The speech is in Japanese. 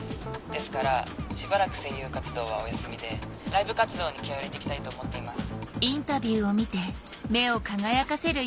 ですからしばらく声優活動はお休みでライブ活動に気合を入れていきたいと思っています。